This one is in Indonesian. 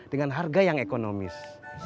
dengan harga yang ekonomis